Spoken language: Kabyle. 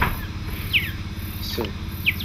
Teḥseb.